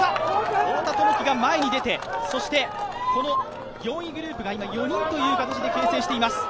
太田智樹が前に出て、そして４位グループが４人という形で形成しています。